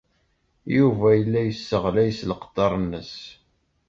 Yuba yella yesseɣlay s leqder-nnes.